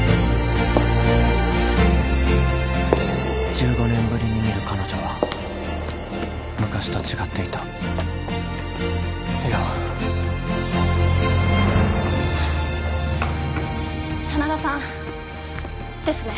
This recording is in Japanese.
１５年ぶりに見る彼女は昔と違っていた梨央真田さんですね？